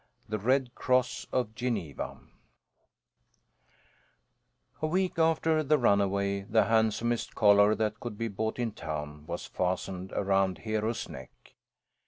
THE RED CROSS OF GENEVA A week after the runaway the handsomest collar that could be bought in town was fastened around Hero's neck.